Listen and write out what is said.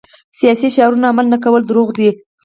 سیاسي شعارونه عمل نه کول دروغ دي.